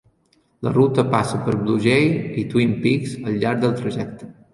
La ruta passa per Blue Jay i Twin Peaks al llarg del trajecte.